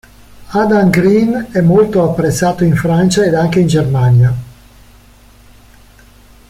Adam Green è molto apprezzato in Francia ed anche in Germania.